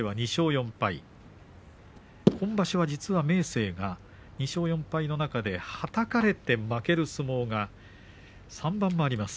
今場所は実は、明生が２勝４敗の中ではたかれて負ける相撲が３番もあります。